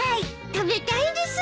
食べたいです。